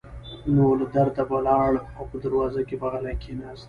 نو له درده به لاړ او په دروازه کې به غلی کېناست.